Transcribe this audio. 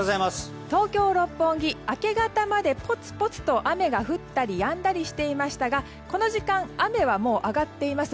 東京・六本木明け方までぽつぽつと雨が降ったりやんだりしていましたがこの時間雨はもう上がっています。